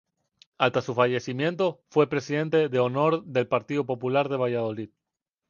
Hasta su fallecimiento fue presidente de honor del Partido Popular de Valladolid.